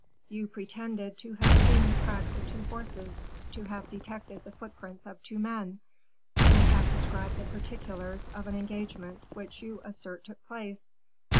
You pretended to have seen the tracks of two horses, to have detected the footprints of two men; and have described the particulars of an engagement, which you assert took place.